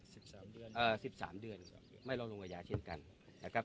สิบสามเดือนเอ่อสิบสามเดือนก็ไม่รอลงอาญาเช่นกันนะครับ